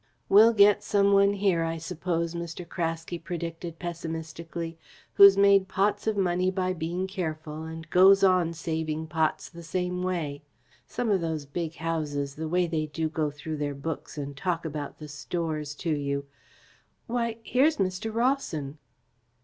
"We'll get some one here, I suppose," Mr. Craske predicted pessimistically, "who's made pots of money by being careful, and goes on saving pots the same way. Some of those big houses, the way they do go through their books and talk about the Stores to you! Why, here's Mr. Rawson."